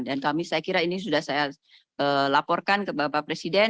dan kami saya kira ini sudah saya laporkan ke bapak presiden